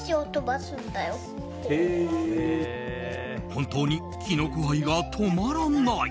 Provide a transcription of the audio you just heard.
本当に、きのこ愛が止まらない。